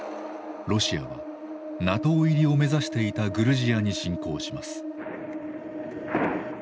ロシアはＮＡＴＯ入りを目指していたグルジアに侵攻します。